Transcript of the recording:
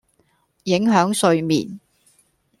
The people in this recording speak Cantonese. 影響睡眠